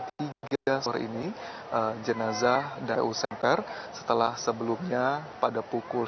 di mana sejak hari ini jenazah dari tpu semper setelah sebelumnya pada pukul